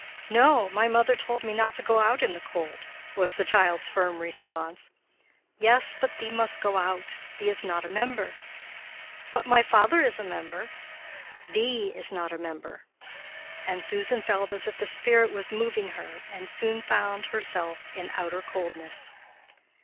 "No; my mother told me not to go out in the cold," was the child's firm response. "Yes, but thee must go out thee is not a member." "But my father is a member." "Thee is not a member," and Susan felt as if the spirit was moving her and soon found herself in outer coldness.